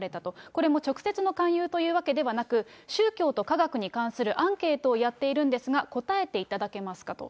これも直接の勧誘というわけではなく、宗教と科学に関するアンケートをやっているんですが、答えていただけますかと。